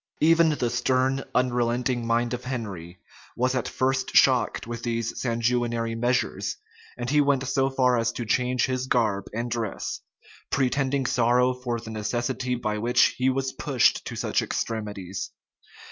Even the stern, unrelenting mind of Henry was at first shocked with these sanguinary measures; and he went so far as to change his garb and dress; pretending sorrow for the necessity by which he was pushed to such extremities.